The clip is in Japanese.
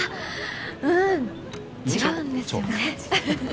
うーん違うんですね。